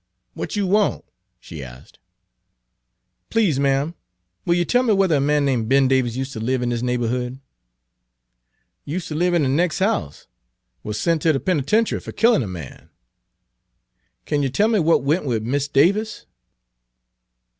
"W'at you want?" she asked. Page 316 "Please, ma'am, will you tell me whether a man name' Ben Davis useter live in dis neighborhood?" "Useter live in de nex' house; wuz sent ter de penitenchy fer killin' a man." "Kin yer tell me w'at went wid Mis' Davis?"